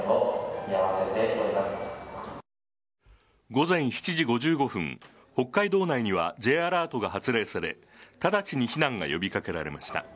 午前７時５５分北海道内にはＪアラートが発令され直ちに避難が呼び掛けられました。